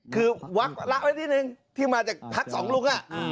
คือวักละไว้นิดนึงที่มาจากพักสองลุง